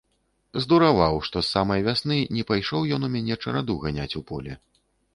Здураваў, што з самай вясны не пайшоў ён у мяне чараду ганяць у поле.